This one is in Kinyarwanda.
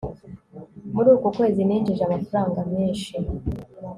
muri uku kwezi ninjije amafaranga menshi